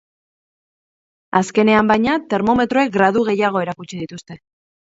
Azkenean, baina, termometroek gradu gehiago erakutsi dituzte.